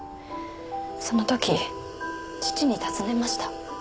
その時父に尋ねました。